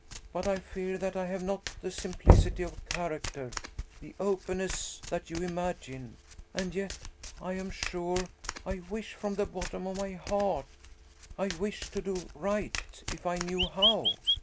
But I fear that I have not the simplicity of character, the openness that you imagine; and yet, I am sure, I wish, from the bottom of my heart I wish to do right, if I knew how.